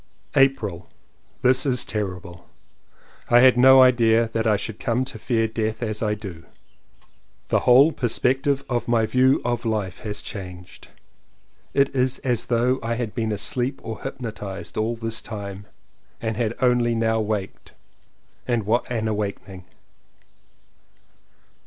236 LLEWELLYN POWYS April. This is terrible! I had no idea that I should come to fear death as I do. The whole perspective of my view of life has changed. It is as though I had been asleep or hypnotized all this time, and had only now waked, and what an awakening!